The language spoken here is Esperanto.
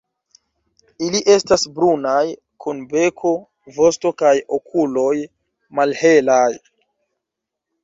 Ili estas brunaj, kun beko, vosto kaj okuloj malhelaj.